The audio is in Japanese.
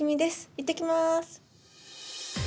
いってきます。